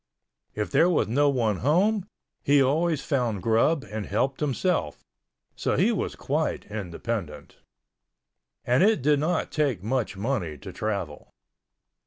If there was no one home, he always found grub and helped himself, so he was quite independent—and it did not take much money to travel.